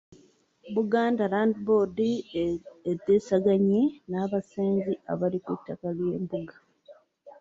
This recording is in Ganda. Buganda Land Board eteeseganye n’abasenze abali ku ttaka ly'embuga.